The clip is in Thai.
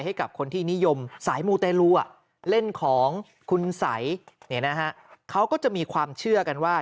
ให้กับคนที่นิยมสายมูเตรลูเล่นของคุณสัยเขาก็จะมีความเชื่อกันว่า